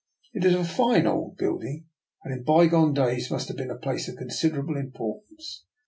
It is a fine old building, and in bygone days must have been a place of considerable importance.